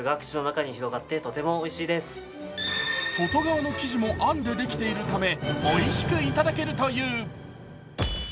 外側の生地もあんでできているため、おいしくいただけるという。